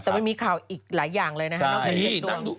แต่ไม่มีข่าวอีกหลายอย่างเลยนะฮะนอกจากเด็กตัว